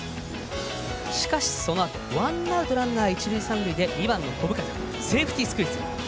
しかし、そのあとワンアウトランナー、一塁三塁で２番の小深田セーフティースクイズ。